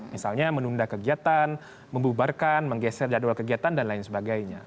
misalnya menunda kegiatan membubarkan menggeser jadwal kegiatan dan lain sebagainya